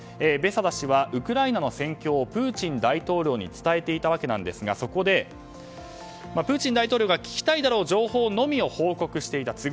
ベセダ氏はウクライナの戦況をプーチン大統領に伝えていたんですがそこでプーチン大統領が聞きたいだろう情報のみを報告していた。